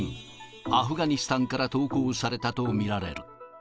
アフガニスタンから投稿されたと見られる。